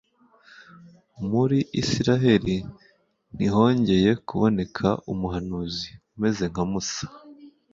muri israheli ntihongeye kuboneka umuhanuzi umeze nka musa;